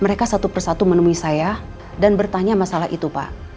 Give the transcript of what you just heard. mereka satu persatu menemui saya dan bertanya masalah itu pak